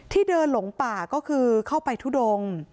ที่เดินหลงป่าก็คือเข้าไปทุดง